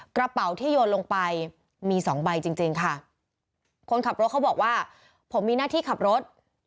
กระเป๋าที่โยนลงไปมีสองใบจริงจริงค่ะคนขับรถเขาบอกว่าผมมีหน้าที่ขับรถ